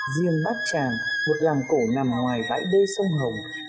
riêng bát tràng một làng cổ nằm ngoài bãi đê sông hồng